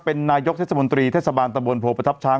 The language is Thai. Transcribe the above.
เป็นนายกเศรษฐบณ์ทรีย์ทศบรรณับรุณโคตรภัทพ์ช้าง